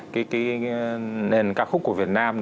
cái nền ca khúc của việt nam